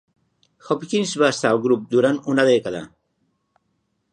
Hopkins va estar al grup durant una dècada.